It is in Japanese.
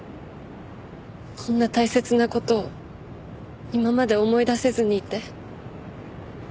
こんな大切な事を今まで思い出せずにいて。